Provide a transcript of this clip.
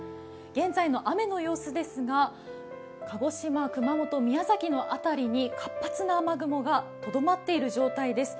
現在の雨の様子ですが、鹿児島、熊本、宮崎の辺りに活発な雨雲がとどまっている状態です。